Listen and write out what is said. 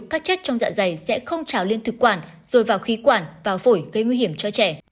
các chất trong dạ dày sẽ không trào lên thực quản rồi vào khí quản vào phổi gây nguy hiểm cho trẻ